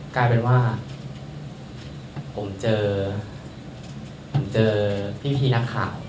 กลายเป็นว่า